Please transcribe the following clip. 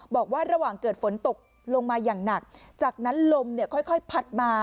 บอกว่าระหว่างเกิดฝนตกลงมาอย่างหนักจากนั้นลมเนี่ยค่อยพัดมา